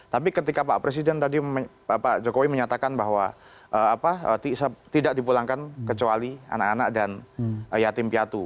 tapi ketika pak presiden tadi pak jokowi menyatakan bahwa tidak dipulangkan kecuali anak anak dan yatim piatu